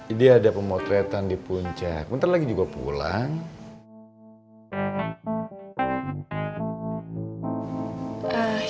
udah keliatan di puncak ntar lagi juga pulang